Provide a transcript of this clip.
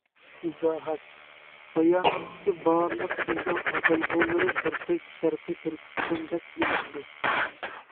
ئىزاھات: باياناتتىكى بارلىق شىنجاڭ ئاتالغۇلىرى بىردەك شەرقىي تۈركىستان دەپ ئىلىندى.